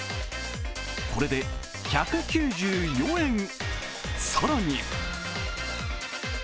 これで１９４円。